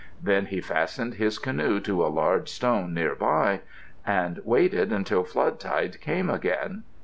Then he fastened his canoe to a large stone nearby, and waited until flood tide came again.